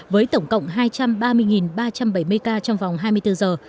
với tổng cộng hai trăm ba mươi ba trăm bảy mươi ca trong vòng hai mươi bốn giờ